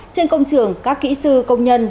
trên công trường các kỹ sư công nhân